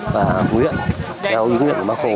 và nguyện theo ý nghĩa của mắc hồ